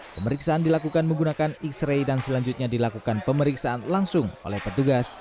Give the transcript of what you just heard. pemeriksaan dilakukan menggunakan x ray dan selanjutnya dilakukan pemeriksaan langsung oleh petugas